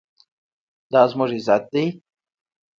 دا زموږ عزت دی؟